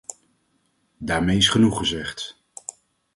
Daarmee is genoeg gezegd...